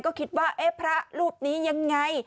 ก็คิดว่าเอ๊ะพระรูปนี้ยังไง